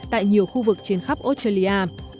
tại nhiều khu vực trên khắp australia